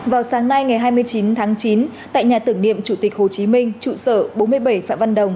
vào sáng nay ngày hai mươi chín tháng chín tại nhà tưởng niệm chủ tịch hồ chí minh trụ sở bốn mươi bảy phạm văn đồng